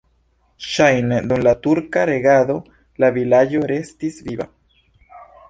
Ŝajne dum la turka regado la vilaĝo restis viva.